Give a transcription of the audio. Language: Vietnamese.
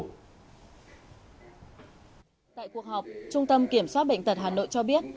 tại cuộc họp trung tâm kiểm soát bệnh tật hà nội cho biết